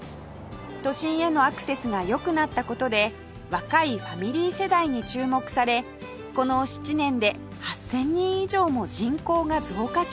都心へのアクセスが良くなった事で若いファミリー世代に注目されこの７年で８０００人以上も人口が増加しました